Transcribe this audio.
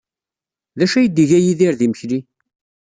D acu ay d-iga Yidir d imekli?